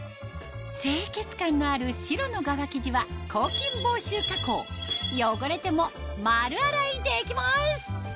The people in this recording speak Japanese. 清潔感のある白の側生地は抗菌防臭加工汚れても丸洗いできます